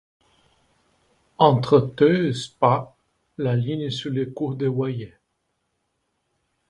Entre Theux et Spa, la ligne suit le cours du Wayai.